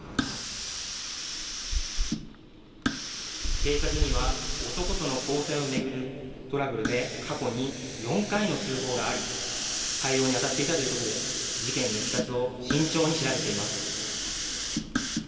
警察には男との交際を巡るトラブルで過去に４回の通報があり対応に当たっていたということで事件のいきさつを慎重に調べています。